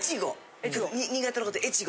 新潟のこと「越後」。